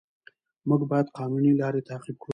موږ باید قانوني لارې تعقیب کړو